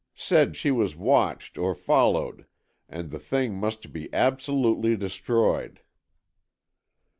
Said she was watched or followed and the thing must be absolutely destroyed."